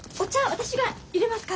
私がいれますから。